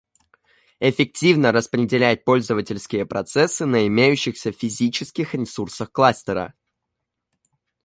Эффективно распределять пользовательские процессы на имеющихся физических ресурсах кластера